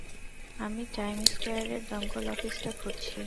আমি টাইম স্কয়ারের দমকল অফিসটা খুঁজছি।